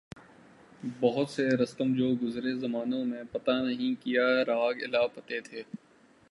بہت سے رستم جو گزرے زمانوں میں پتہ نہیں کیا راگ الاپتے تھے۔